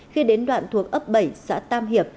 khi đến đoạn thuộc ấp bảy xã tam hiệp